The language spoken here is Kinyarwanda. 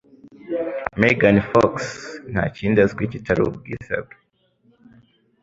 Megan Fox - Nta kindi azwi kitari ubwiza bwe.